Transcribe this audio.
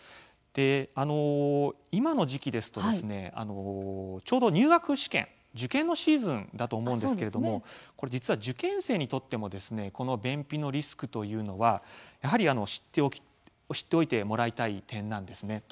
今の時期ですとちょうど入学試験受験のシーズンだと思うんですけれども実は受験生にとってもこの便秘のリスクというのは知っておいてもらいたい点なんですね。